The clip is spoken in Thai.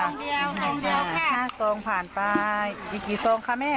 ไม่ใส่ค่ะสองซงผ่านไปอีกกี่จงค่ะแม่